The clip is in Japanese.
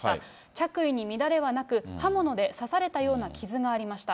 着衣に乱れはなく、刃物で刺されたような傷がありました。